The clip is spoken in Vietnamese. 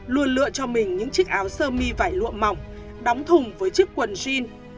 luôn lựa chọn mình những chiếc áo sơ mi vải lụa mỏng đóng thùng với chiếc quần jean